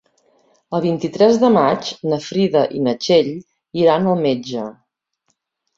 El vint-i-tres de maig na Frida i na Txell iran al metge.